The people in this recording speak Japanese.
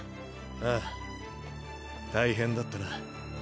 あぁ大変だったな。